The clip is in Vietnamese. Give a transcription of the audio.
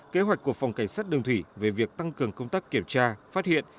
kế hoạch của phòng cảnh sát đường thủy về việc tăng cường công tác kiểm tra phát hiện